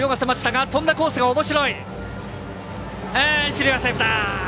一塁はセーフだ。